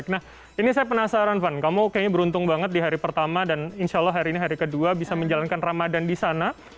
nah ini saya penasaran van kamu kayaknya beruntung banget di hari pertama dan insya allah hari ini hari kedua bisa menjalankan ramadan di sana